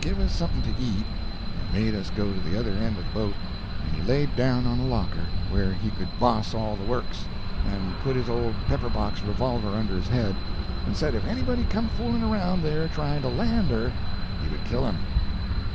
] He give us something to eat, and made us go to the other end of the boat, and he laid down on a locker, where he could boss all the works, and put his old pepper box revolver under his head, and said if anybody come fooling around there trying to land her, he would kill him.